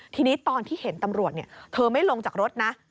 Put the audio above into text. ทีนี้ตอนที่เห็นตำรวจเธอไม่ลงจากรถนะ